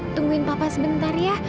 tungguin papa sebentar ya